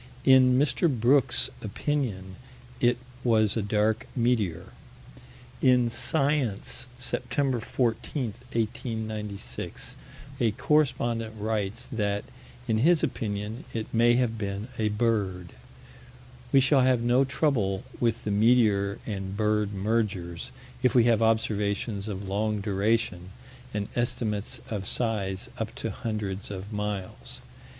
In Mr. Brooks' opinion it was a dark meteor. In Science, Sept. 14, 1896, a correspondent writes that, in his opinion, it may have been a bird. We shall have no trouble with the meteor and bird mergers, if we have observations of long duration and estimates of size up to hundreds of miles.